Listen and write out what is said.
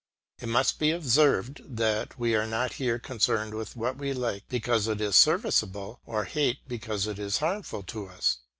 It must be observed that we are not here concerned with what we like because it is serviceable, or hate because it is harmful to us.